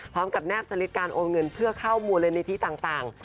พร้อมกับแนบสลิดการโอนเงินเพื่อเข้ามูลในที่ต่าง